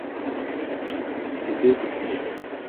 C’était ce qui n’est plus.